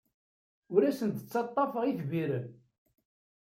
Ur asent-d-ttaḍḍafeɣ itbiren.